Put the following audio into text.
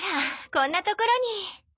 こんなところに。